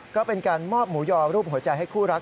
ก็เป็นการมอบหมูยอรูปหัวใจให้คู่รัก